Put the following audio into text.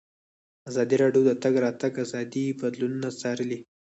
ازادي راډیو د د تګ راتګ ازادي بدلونونه څارلي.